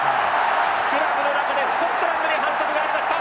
スクラムの中でスコットランドに反則がありました。